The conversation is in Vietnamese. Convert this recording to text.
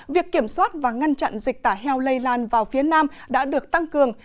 việc kiểm soát và ngăn chặn dịch tả heo lây lan vào phía nam đã được tăng cường